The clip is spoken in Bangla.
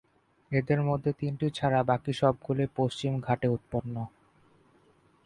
এদের মধ্যে তিনটি ছাড়া বাকি সবগুলি পশ্চিম ঘাটে উৎপন্ন।